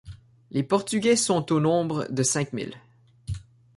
Les Portugais sont au nombre de cinq mille.